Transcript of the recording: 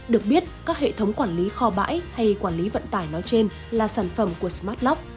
được biết các hệ thống quản lý kho bãi hay quản lý vận tải nói trên là sản phẩm của smartlock